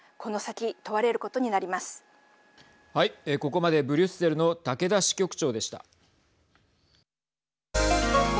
ここまでブリュッセルの竹田支局長でした。